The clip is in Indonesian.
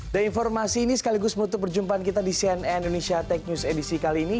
dan informasi ini sekaligus menutup perjumpaan kita di cnn indonesia tech news edisi kali ini